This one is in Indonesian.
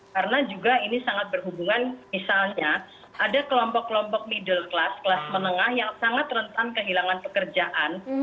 karena juga ini sangat berhubungan misalnya ada kelompok kelompok middle class kelas menengah yang sangat rentan kehilangan pekerjaan